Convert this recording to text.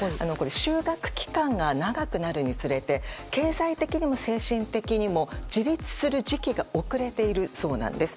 就学期間が長くなるにつれて経済的にも精神的にも自立する時期が遅れているそうなんです。